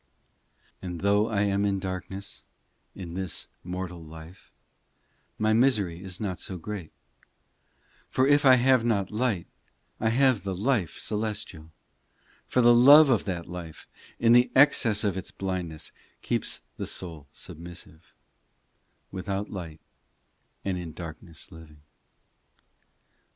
II And though I am in darkness, In this mortal life My misery is not so great : For if I have not light I have the life celestial; For the love of that life, In the excess of its blindness, Keeps the soul submissive, Without light and in darkness living.